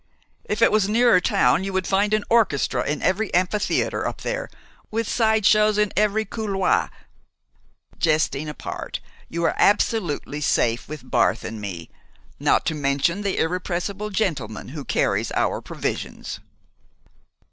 If it was nearer town you would find an orchestra in each amphitheater up there, with sideshows in every couloir. Jesting apart, you are absolutely safe with Barth and me, not to mention the irrepressible gentleman who carries our provisions."